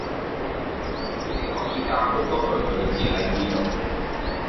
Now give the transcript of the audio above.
你哋可以加好多句句子喺依度